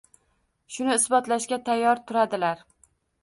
Shuni isbotlashga tayyor turadilar…